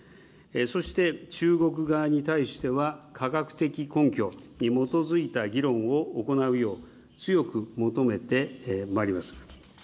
そして中国側に対しては、科学的根拠に基づいた議論を行うよう、強く求めてまいります。